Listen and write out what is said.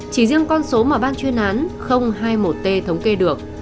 chỉ riêng con số mà ban chuyên án hai mươi một t thống kê được